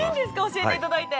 教えていただいて。